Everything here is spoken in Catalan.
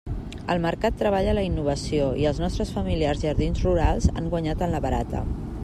El mercat treballa la innovació i els nostres familiars jardins rurals han guanyat en la barata.